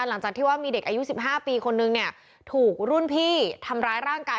หลังจากที่ว่ามีเด็กอายุ๑๕ปีคนนึงเนี่ยถูกรุ่นพี่ทำร้ายร่างกาย